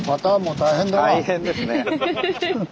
大変ですね。